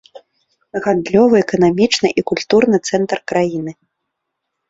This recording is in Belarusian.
Гандлёвы, эканамічны і культурны цэнтр краіны.